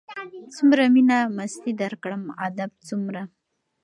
څومره مينه مستي درکړم ادب څومره